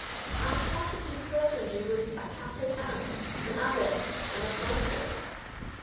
"And what if he threatened you with a catholic aunt, an abbess, and a cloister?"